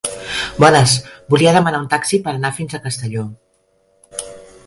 Bones, volia demanar un taxi per anar fins a Castelló.